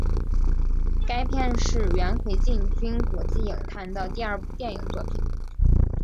该片是元奎进军国际影坛的第二部电影作品。